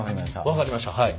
分かりましたはい。